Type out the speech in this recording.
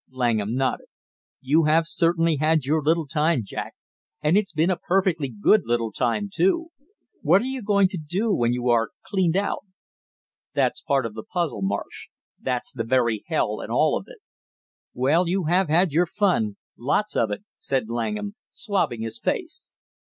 Langham nodded. "You have certainly had your little time, Jack, and it's been a perfectly good little time, too! What are you going to do when you are cleaned out?" "That's part of the puzzle, Marsh, that's the very hell and all of it." "Well, you have had your fun lots of it!" said Langham, swabbing his face.